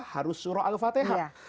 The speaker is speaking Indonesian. harus surah al fatihah